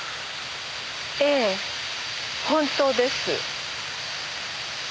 ええ本当です。